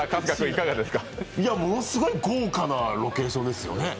ものすごい豪華なロケーションですよね。